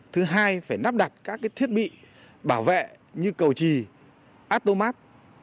thứ hai phải nắp đặt các thiết bị bảo vệ như cầu trì atomat